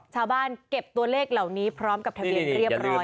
ชาวบ้านเก็บตัวเลขเหล่านี้พร้อมกับทะเบียนเรียบร้อยแล้วนะจ๊ะ